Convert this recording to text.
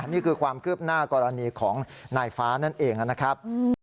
นี่คือความคืบหน้ากรณีของนายฟ้านั่นเองนะครับ